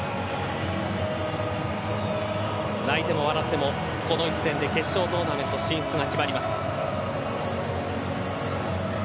泣いても笑っても、この一戦で決勝トーナメント進出が決まります。